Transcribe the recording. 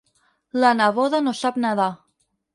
La neboda no sap nedar.